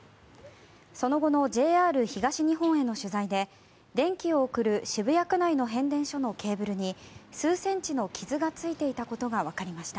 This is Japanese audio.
その後のＪＲ東日本への取材で電気を送る渋谷区内の変電所のケーブルに数センチの傷がついていたことがわかりました。